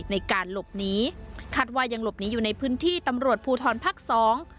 ในการหลบหนีคาดว่ายังหลบหนีอยู่ในพื้นที่ตำรวจภูทรภักดิ์สอง